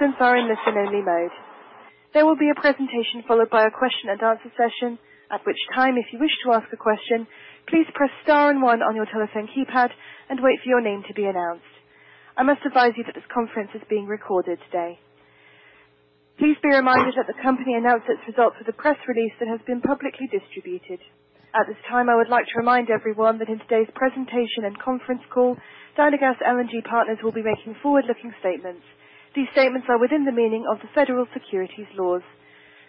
Participants are in listen-only mode. There will be a presentation followed by a question-and-answer session, at which time, if you wish to ask a question, please press star and one on your telephone keypad and wait for your name to be announced. I must advise you that this conference is being recorded today. Please be reminded that the company announced its results with a press release that has been publicly distributed. At this time, I would like to remind everyone that in today's presentation and conference call, Dynagas LNG Partners will be making forward-looking statements. These statements are within the meaning of the federal securities laws.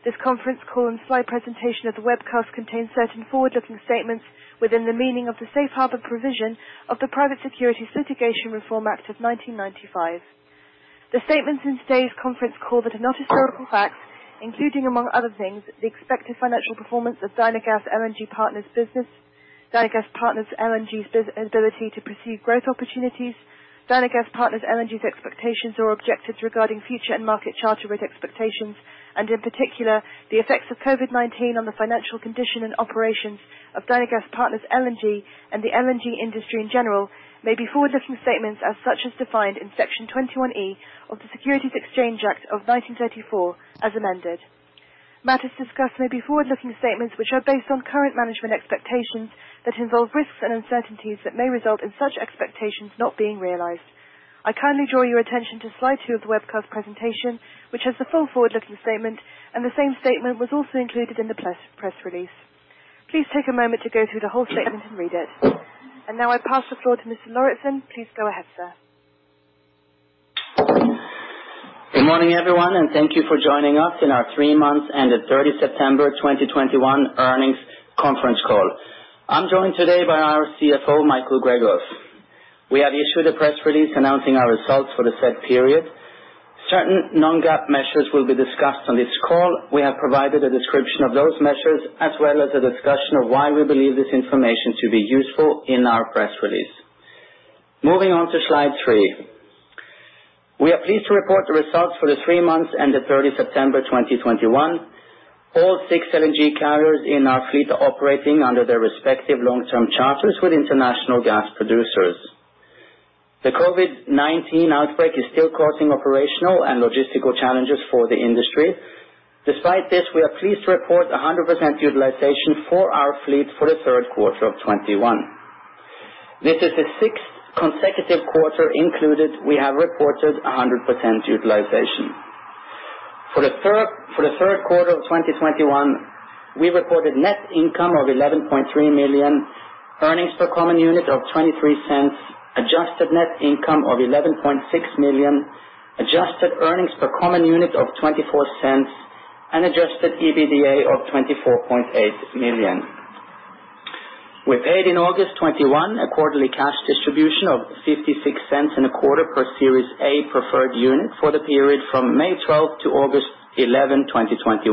This conference call and Slide presentation of the webcast contains certain forward-looking statements within the meaning of the Safe Harbor provision of the Private Securities Litigation Reform Act of 1995. The statements in today's conference call that are not historical facts, including, among other things, the expected financial performance of Dynagas LNG Partners' business, Dynagas LNG Partners' ability to pursue growth opportunities, Dynagas LNG Partners' expectations or objectives regarding future and market charter rate expectations and, in particular, the effects of COVID-19 on the financial condition and operations of Dynagas LNG Partners and the LNG industry, in general, may be forward-looking statements as such, as defined in section 21E of the Securities Exchange Act of 1934, as amended. Matters discussed may be forward-looking statements which are based on current management expectations that involve risks and uncertainties that may result in such expectations not being realized. I kindly draw your attention to Slide 2 of the webcast presentation, which has the full forward-looking statement, and the same statement was also included in the press release. Please take a moment to go through the whole statement and read it. Now I pass the floor to Mr. Lauritzen. Please go ahead, sir. Good morning, everyone, and thank you for joining us on our three months ended September 30, 2021 earnings conference call. I'm joined today by our CFO, Michael Gregos. We have issued a press release announcing our results for the said period. Certain non-GAAP measures will be discussed on this call. We have provided a description of those measures as well as a discussion of why we believe this information to be useful in our press release. Moving on to Slide 3. We are pleased to report the results for the three months ended September 30, 2021. All six LNG carriers in our fleet are operating under their respective long-term charters with international gas producers. The COVID-19 outbreak is still causing operational and logistical challenges for the industry. Despite this, we are pleased to report 100% utilization for our fleet for the third quarter of 2021. This is the sixth consecutive quarter in which we have reported 100% utilization. For the third quarter of 2021, we reported net income of $11.3 million, earnings per common unit of $0.23, adjusted net income of $11.6 million, adjusted earnings per common unit of $0.24, and Adjusted EBITDA of $24.8 million. We paid in August 2021 a quarterly cash distribution of 56 cents and a quarter per Series A preferred unit for the period from May 12 to August 11, 2021,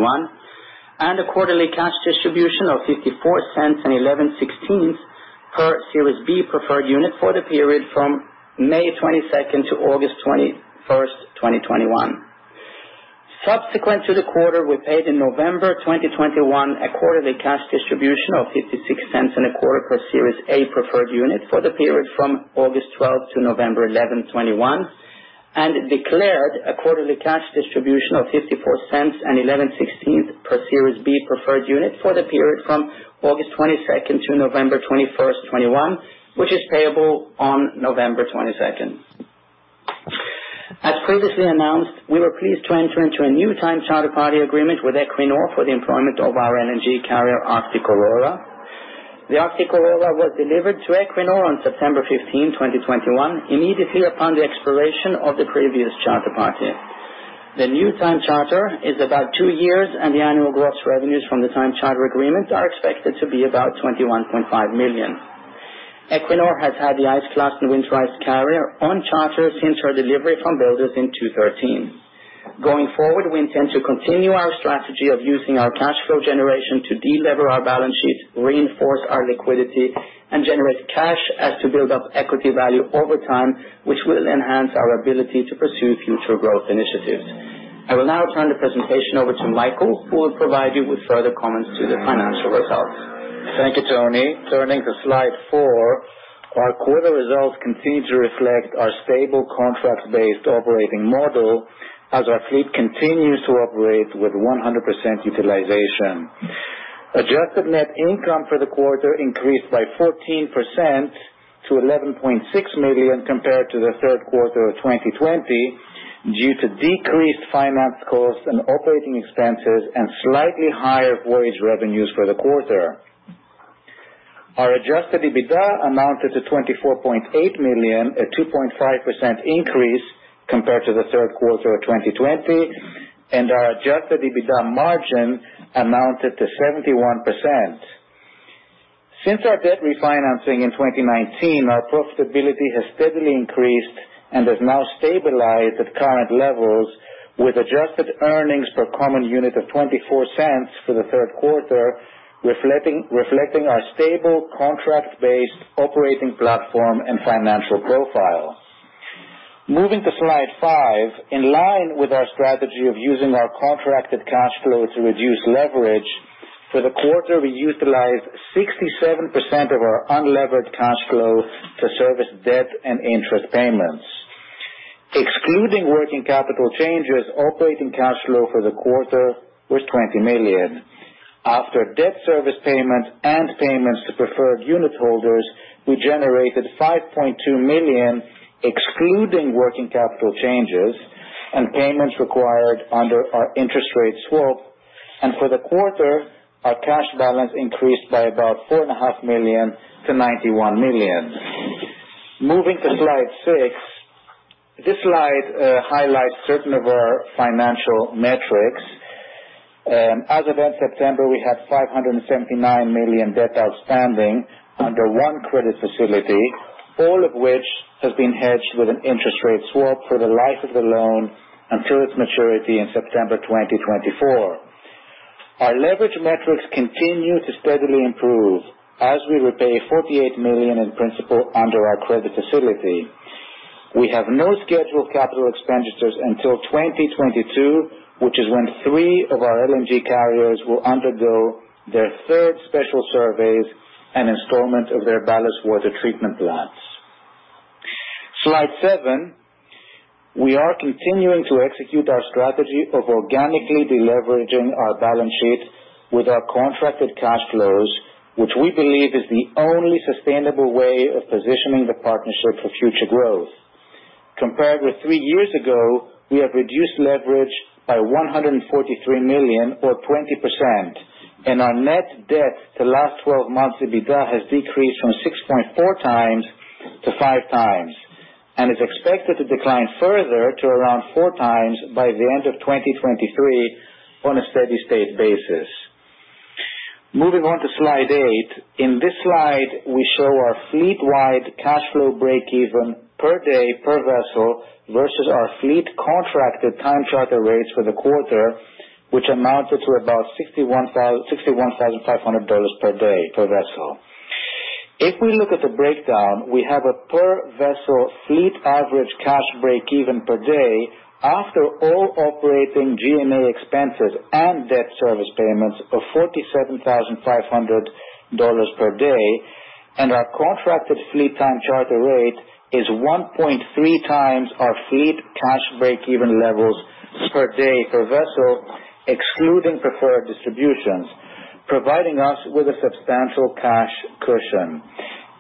and a quarterly cash distribution of $0.54 and eleven sixteenths per Series B preferred unit for the period from May 22 to August 21, 2021. Subsequent to the quarter, we paid in November 2021 a quarterly cash distribution of $0.56 And a quarter per Series A preferred unit for the period from August 12 to November 11, 2021, and declared a quarterly cash distribution of $0.54 And eleven sixteenths per Series B preferred unit for the period from August 22 to November 21, 2021, which is payable on November 22. As previously announced, we were pleased to enter into a new time charter party agreement with Equinor for the employment of our LNG carrier Arctic Aurora. The Arctic Aurora was delivered to Equinor on September 15, 2021, immediately upon the expiration of the previous charter party. The new time charter is about 2 years, and the annual gross revenues from the time charter agreement are expected to be about $21.5 million. Equinor has had the ice-class and winterized carrier on charter since her delivery from builders in 2013. Going forward, we intend to continue our strategy of using our cash flow generation to delever our balance sheet, reinforce our liquidity, and generate cash to build up equity value over time, which will enhance our ability to pursue future growth initiatives. I will now turn the presentation over to Michael, who will provide you with further comments on the financial results. Thank you, Tony. Turning to Slide 4. Our quarter results continue to reflect our stable contract-based operating model as our fleet continues to operate with 100% utilization. Adjusted net income for the quarter increased by 14% to $11.6 million compared to the third quarter of 2020 due to decreased finance costs and operating expenses and slightly higher voyage revenues for the quarter. Our Adjusted EBITDA amounted to $24.8 million, a 2.5% increase compared to the third quarter of 2020, and our Adjusted EBITDA margin amounted to 71%. Since our debt refinancing in 2019, our profitability has steadily increased and has now stabilized at current levels with adjusted earnings per common unit of $0.24 for the third quarter, reflecting our stable contract-based operating platform and financial profile. Moving to Slide 5. In line with our strategy of using our contracted cash flow to reduce leverage. For the quarter, we utilized 67% of our unlevered cash flow to service debt and interest payments. Excluding working capital changes, operating cash flow for the quarter was $20 million. After debt service payments and payments to preferred unit holders, we generated $5.2 million, excluding working capital changes and payments required under our interest rate swap. For the quarter, our cash balance increased by about $4.5 million to $91 million. Moving to Slide 6. This Slide highlights certain of our financial metrics. As of end September, we have $579 million debt outstanding under one credit facility, all of which has been hedged with an interest rate swap for the life of the loan and through its maturity in September 2024. Our leverage metrics continue to steadily improve as we repay $48 million in principal under our credit facility. We have no scheduled capital expenditures until 2022, which is when three of our LNG carriers will undergo their third special surveys and installment of their ballast water treatment plants. Slide 7. We are continuing to execute our strategy of organically de-leveraging our balance sheet with our contracted cash flows, which we believe is the only sustainable way of positioning the partnership for future growth. Compared with three years ago, we have reduced leverage by $143 million or 20%. Our net debt to last twelve months EBITDA has decreased from 6.4x to 5x, and is expected to decline further to around 4x by the end of 2023 on a steady-state basis. Moving on to Slide 8. In this Slide, we show our fleet-wide cash flow breakeven per day per vessel versus our fleet contracted time charter rates for the quarter, which amounted to about $61,500 per day per vessel. If we look at the breakdown, we have a per vessel fleet average cash breakeven per day after all operating G&A expenses and debt service payments of $47,500 per day. Our contracted fleet time charter rate is 1.3x our fleet cash breakeven levels per day per vessel, excluding preferred distributions, providing us with a substantial cash cushion.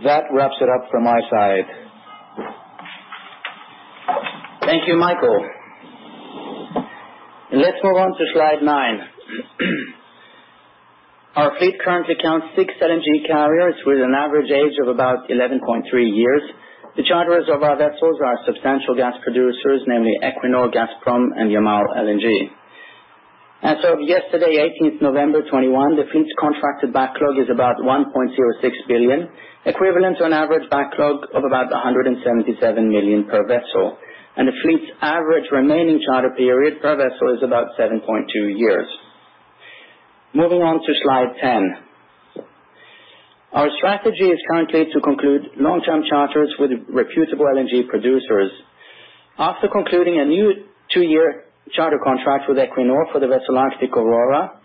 That wraps it up from my side. Thank you, Michael. Let's move on to Slide 9. Our fleet currently counts 6 LNG carriers with an average age of about 11.3 years. The charters of our vessels are substantial gas producers, namely Equinor, Gazprom, and Yamal LNG. As of yesterday, 18 November 2021, the fleet's contracted backlog is about $1.06 billion, equivalent to an average backlog of about $177 million per vessel. The fleet's average remaining charter period per vessel is about 7.2 years. Moving on to Slide 10. Our strategy is currently to conclude long-term charters with reputable LNG producers. After concluding a new two-year charter contract with Equinor for the vessel Arctic Aurora,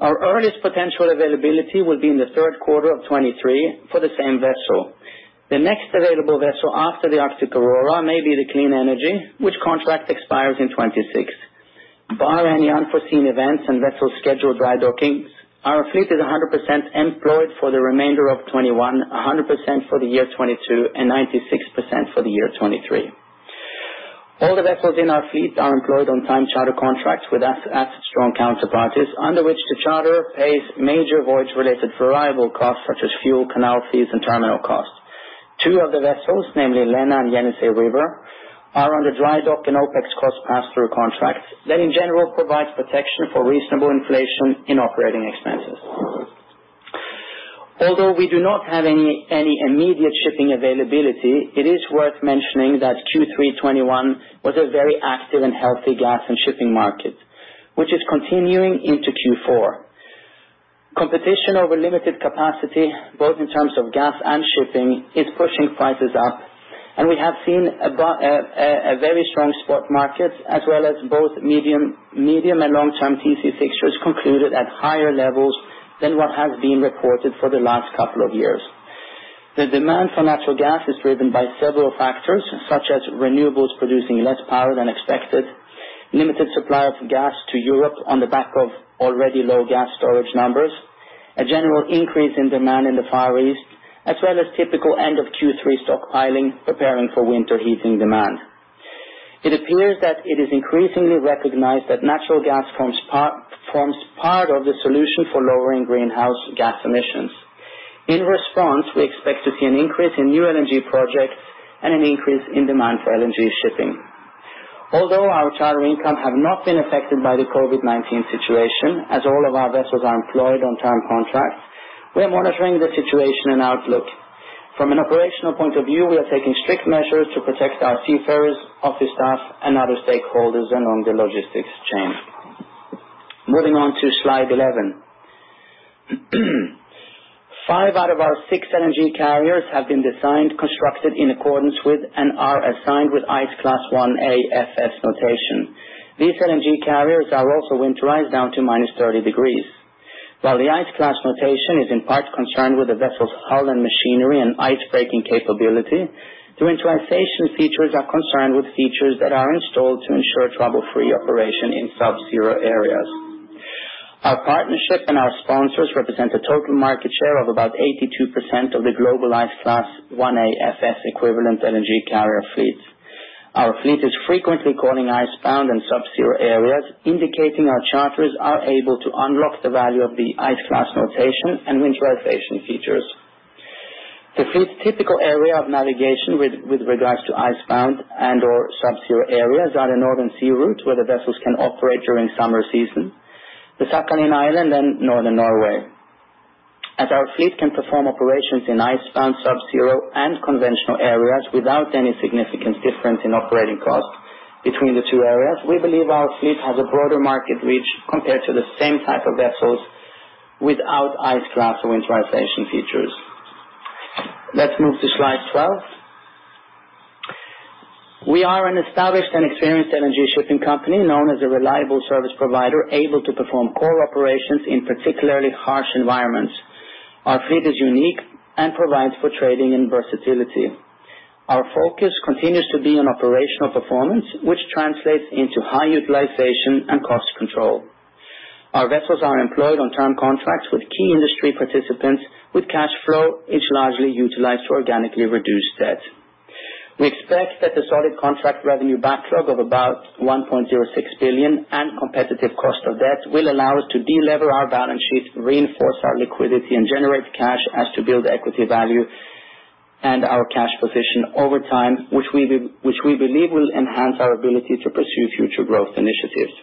our earliest potential availability will be in the third quarter of 2023 for the same vessel. The next available vessel after the Arctic Aurora may be the Clean Energy, which contract expires in 2026. Barring any unforeseen events and vessel scheduled drydockings, our fleet is 100% employed for the remainder of 2021, 100% for the year 2022, and 96% for the year 2023. All the vessels in our fleet are employed on time charter contracts with asset-strong counterparties, under which the charter pays major voyage-related variable costs, such as fuel, canal fees, and terminal costs. Two of the vessels, namely Lena and Yenisei River, are under drydock and OpEx cost pass-through contracts that in general provides protection for reasonable inflation in operating expenses. Although we do not have any immediate shipping availability, it is worth mentioning that Q3 2021 was a very active and healthy gas and shipping market, which is continuing into Q4. Competition over limited capacity, both in terms of gas and shipping, is pushing prices up. We have seen a very strong spot market as well as both medium and long-term TC fixtures concluded at higher levels than what has been reported for the last couple of years. The demand for natural gas is driven by several factors, such as renewables producing less power than expected, limited supply of gas to Europe on the back of already low gas storage numbers, a general increase in demand in the Far East, as well as typical end of Q3 stockpiling preparing for winter heating demand. It appears that it is increasingly recognized that natural gas forms part of the solution for lowering greenhouse gas emissions. In response, we expect to see an increase in new LNG projects and an increase in demand for LNG shipping. Although our charter income have not been affected by the COVID-19 situation, as all of our vessels are employed on term contracts, we are monitoring the situation and outlook. From an operational point of view, we are taking strict measures to protect our seafarers, office staff, and other stakeholders along the logistics chain. Moving on to Slide 11. Five out of our six LNG carriers have been designed, constructed in accordance with and are assigned with Ice Class 1A FS notation. These LNG carriers are also winterized down to -30 degrees. While the Ice Class notation is in part concerned with the vessel's hull and machinery and ice-breaking capability, the winterization features are concerned with features that are installed to ensure trouble-free operation in subzero areas. Our partnership and our sponsors represent a total market share of about 82% of the global Ice Class 1A FS equivalent energy carrier fleet. Our fleet is frequently calling icebound and subzero areas, indicating our charters are able to unlock the value of the Ice Class notation and winterization features. The fleet's typical area of navigation with regards to icebound and/or subzero areas are the Northern Sea Routes, where the vessels can operate during summer season, the Sakhalin Island and northern Norway. As our fleet can perform operations in icebound, subzero, and conventional areas without any significant difference in operating costs between the two areas, we believe our fleet has a broader market reach compared to the same type of vessels without Ice Class or winterization features. Let's move to Slide 12. We are an established and experienced energy shipping company known as a reliable service provider, able to perform core operations in particularly harsh environments. Our fleet is unique and provides for trading and versatility. Our focus continues to be on operational performance, which translates into high utilization and cost control. Our vessels are employed on term contracts with key industry participants, with cash flow is largely utilized to organically reduce debt. We expect that the solid contract revenue backlog of about $1.06 billion and competitive cost of debt will allow us to de-lever our balance sheets, reinforce our liquidity, and generate cash to build equity value and our cash position over time, which we believe will enhance our ability to pursue future growth initiatives.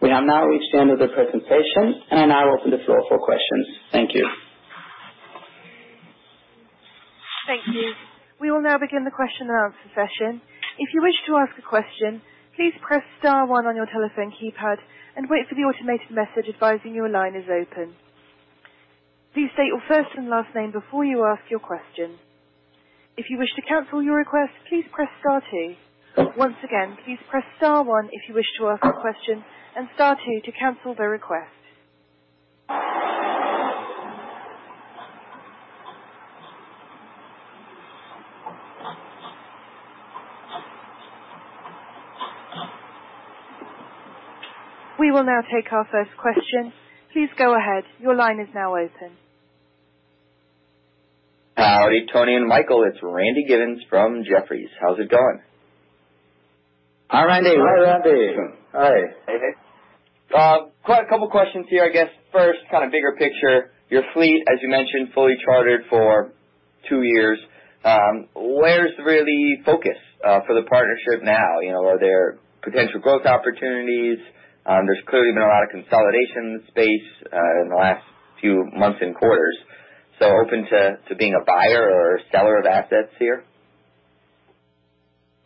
We have now reached the end of the presentation, and I now open the floor for questions. Thank you. Thank you. We will now begin the question and answer session. If you wish to ask a question, please press star one on your telephone keypad and wait for the automated message advising your line is open. Please state your first and last name before you ask your question. If you wish to cancel your request, please press star two. Once again, please press star one if you wish to ask a question and star two to cancel the request. We will now take our first question. Please go ahead. Your line is now open. Howdy, Tony and Michael, it's Randy Giveans from Jefferies. How's it going? Hi, Randy. Hi, Randy. Hi. Quite a couple questions here, I guess. First, kind of bigger picture. Your fleet, as you mentioned, fully chartered for two years. Where the real focus for the partnership now? You know, are there potential growth opportunities? There's clearly been a lot of consolidation in the space in the last few months and quarters. Open to being a buyer or seller of assets here?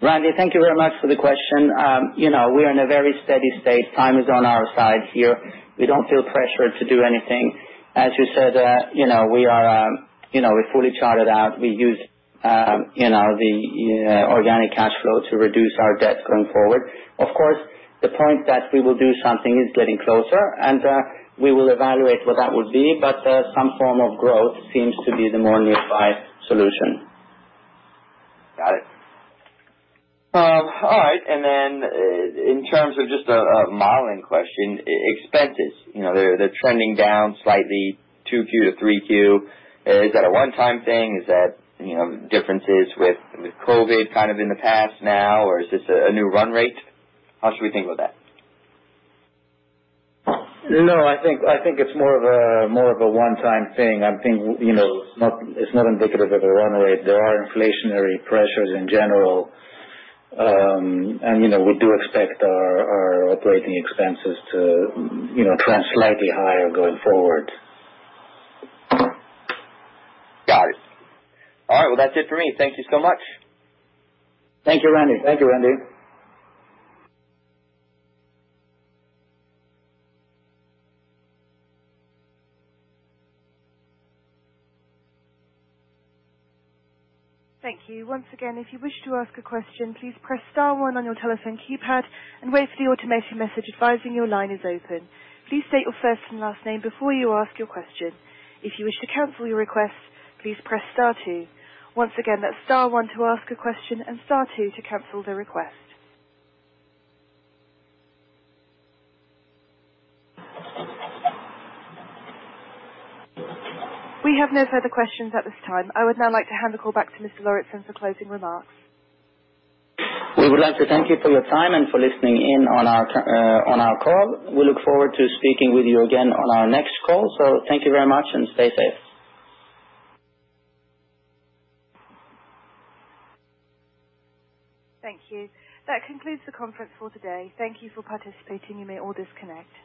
Randy, thank you very much for the question. You know, we are in a very steady state. Time is on our side here. We don't feel pressured to do anything. As you said, you know, we are, you know, we're fully chartered out. We use, you know, the, organic cash flow to reduce our debt going forward. Of course, the point that we will do something is getting closer, and, we will evaluate what that would be, but, some form of growth seems to be the more nearby solution. Got it. All right. In terms of just a modeling question, expenses, you know, they're trending down slightly 2Q to 3Q. Is that a one-time thing? Is that, you know, differences with COVID kind of in the past now, or is this a new run rate? How should we think about that? No, I think it's more of a one-time thing. I think you know it's not indicative of a run rate. There are inflationary pressures in general, and you know we do expect our operating expenses to you know trend slightly higher going forward. Got it. All right. Well, that's it for me. Thank you so much. Thank you, Randy. Thank you, Randy. Thank you. Once again, if you wish to ask a question, please press star one on your telephone keypad and wait for the automated message advising your line is open. Please state your first and last name before you ask your question. If you wish to cancel your request, please press star two. Once again, that's star one to ask a question and star two to cancel the request. We have no further questions at this time. I would now like to hand the call back to Mr. Lauritzen for closing remarks. We would like to thank you for your time and for listening in on our call. We look forward to speaking with you again on our next call. Thank you very much and stay safe. Thank you. That concludes the conference for today. Thank you for participating. You may all disconnect.